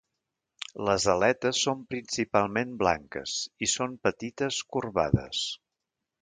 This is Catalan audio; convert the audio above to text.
Les aletes són principalment blanques i són petites corbades.